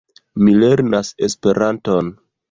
Mi lernas Esperanton.